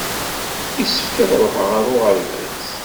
Yessefk ad ṛuḥeɣ ɣer uɣerbaz.